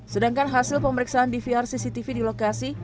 sedangkan hasil pemeriksaan dvr cctv di lokasi